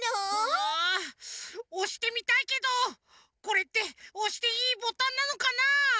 あっおしてみたいけどこれっておしていいボタンなのかな？